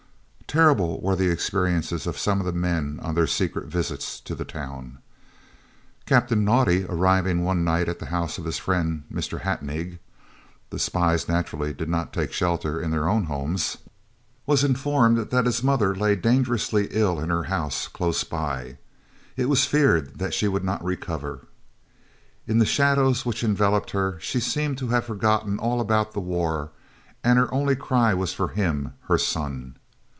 Terrible were the experiences of some of the men on their secret visits to the town. Captain Naudé, arriving one night at the house of his friend Mr. Hattingh (the spies naturally did not take shelter in their own homes), was informed that his mother lay dangerously ill in her house close by. It was feared that she would not recover. In the shadows which enveloped her she seemed to have forgotten all about the war, and her only cry was for him, her son.